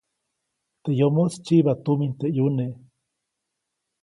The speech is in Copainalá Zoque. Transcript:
Teʼ yomoʼis tsyiba tumin teʼ ʼyune.